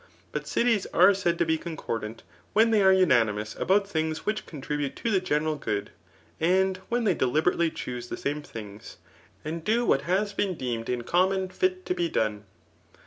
But cities are said to be con cordant, when they are unanimous about things which contribute to the general good, and when they deliberately choose the same things, and do what has been deemed in common fit to be done.